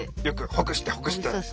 よくほぐしてほぐして。